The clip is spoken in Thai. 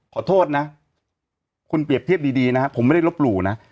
ขอโทษนะคุณเปรียบเทียบดีนะครับผมไม่ได้ลบหลู่นะ